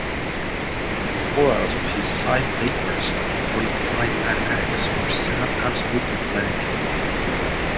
Four out of his five papers on applied mathematics were sent up absolutely blank.